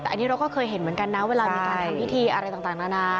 แต่อันนี้เราก็เคยเห็นเหมือนกันนะเวลามีการทำพิธีอะไรต่างนานา